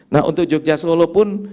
nah untuk jogja solo pun